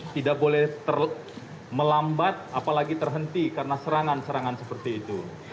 tidak boleh melambat apalagi terhenti karena serangan serangan seperti itu